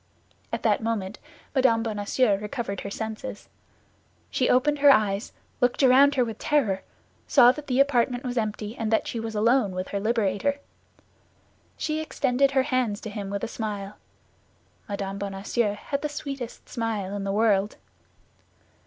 At that moment Mme. Bonacieux recovered her senses. She opened her eyes, looked around her with terror, saw that the apartment was empty and that she was alone with her liberator. She extended her hands to him with a smile. Mme. Bonacieux had the sweetest smile in the world.